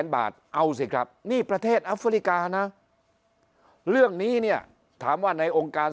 บาทเอาสิครับนี่ประเทศอัฟริกานะเรื่องนี้เนี่ยถามว่าในองค์การ